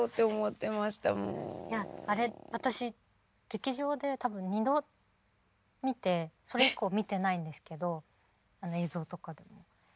あれ私劇場で多分二度見てそれ以降見てないんですけどあの映像とかでも。